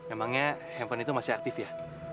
emangnya handphone itu masih aktif ya